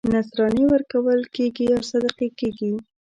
نذرانې ورکول کېږي او صدقې کېږي.